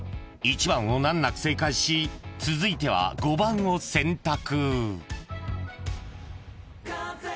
［１番を難なく正解し続いては５番を選択］